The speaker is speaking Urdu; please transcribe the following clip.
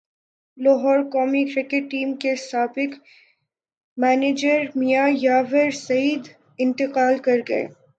لاہورقومی کرکٹ ٹیم کے سابق مینجر میاں یاور سعید انتقال کرگئے